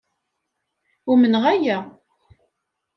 Umneɣ aya.